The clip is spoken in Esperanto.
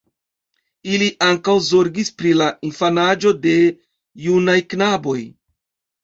Ili ankaŭ zorgis pri la infanaĝo de junaj knaboj.